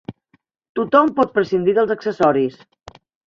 Tothom pot prescindir dels accessoris.